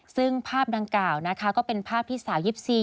ซึ่งภาพดังกล่าวนะคะก็เป็นภาพที่สาว๒๔